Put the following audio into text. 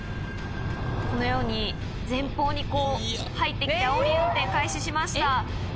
このように前方に入ってきてあおり運転開始しました。